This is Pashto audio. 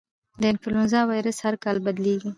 د انفلوېنزا وایرس هر کال بدلېږي.